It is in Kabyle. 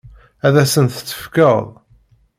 Ad asen-t-tefkeḍ?